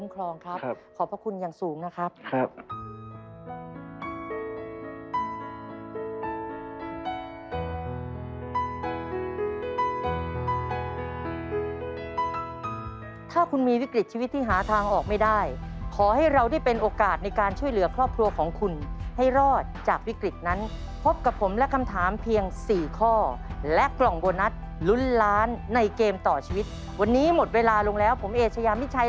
ครอบครัวพ่อคอฟจะเป็นบ้านแรกที่คว้าเงินล้านประเดิมกฎิกาใหม่ได้หรือไม่